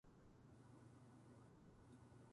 いつも美味しいご飯を作る